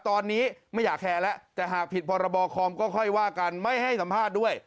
ตอนนี้ไม่อยากแคร์แล้วแต่หากผิดพรบคอมก็ค่อยว่ากันไม่ให้สัมภาษณ์ด้วย